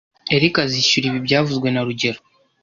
Eric azishyura ibi byavuzwe na rugero